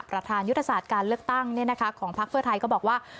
ประธานยุทธศาสตร์การเลือกตั้งของพักเพื่อไทยก็บอกว่า